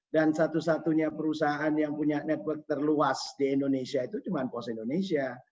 dan satu satunya perusahaan yang punya network terluas di indonesia itu cuma pt post indonesia